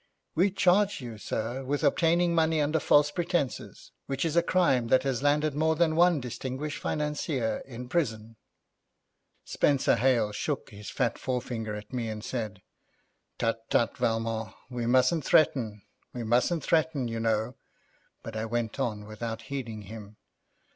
'We charge you, sir, with obtaining money under false pretences, which is a crime that has landed more than one distinguished financier in prison.' Spenser Hale shook his fat forefinger at me, and said, 'Tut, tut, Valmont; we mustn't threaten, we mustn't threaten, you know;' but I went on without heeding him.